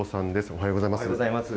おはようございます。